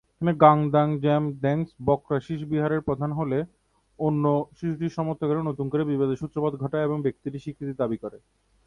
এখন ঙ্গাগ-দ্বাং-'জাম-দ্ব্যাংস-ব্ক্রা-শিস বিহারের প্রধান হলে অন্য শিশুটির সমর্থকেরা নতুন করে বিবাদের সূত্রপাত ঘটায় এবং ব্যক্তিটির স্বীকৃতির দাবী করে।